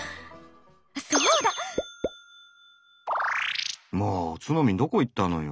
そうだ！もツノミンどこ行ったのよ。